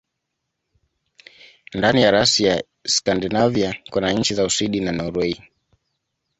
Ndani ya rasi ya Skandinavia kuna nchi za Uswidi na Norwei.